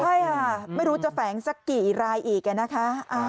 ใช่ค่ะไม่รู้จะแฝงสักกี่รายอีกนะคะ